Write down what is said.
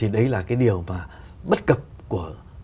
đấy là cái điều mà bất cập của